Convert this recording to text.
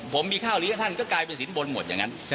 ผมมีข้าวเลี้ยงท่านก็กลายเป็นสินบนหมดอย่างนั้น